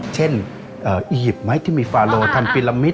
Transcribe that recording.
เช่นอียิปต์ไหมที่มีฟาโลทันพิรามิต